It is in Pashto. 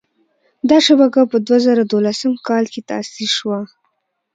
دا شبکه په دوه زره دولسم کال کې تاسیس شوه.